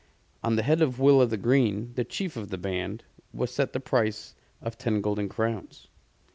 On the head of Will o' th' Green, the chief of the band, was set the price of ten golden crowns.